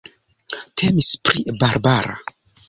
Temis pri Barbara.